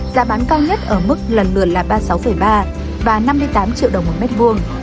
giá bán cao nhất ở mức lần lượt là ba mươi sáu ba và năm mươi tám triệu đồng một mét vuông